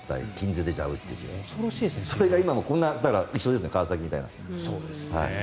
それが今も、一緒ですね川崎みたいな。